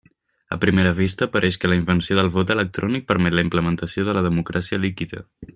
A primera vista, pareix que la invenció del vot electrònic permet la implementació de la democràcia líquida.